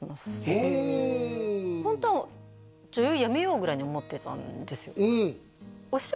ほおへえホント女優やめようぐらいに思ってたんですよ